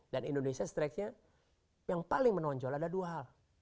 dan indonesia strengthnya yang paling menonjol ada dua hal